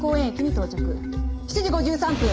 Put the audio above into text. ７時５３分